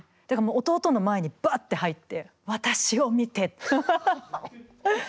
だからもう弟の前にバッて入って私を見て！